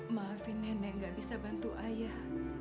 makasih cabarnya gak bisa bantu ayah